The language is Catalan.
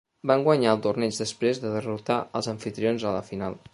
Van guanyar el torneig després de derrotar els amfitrions a la final.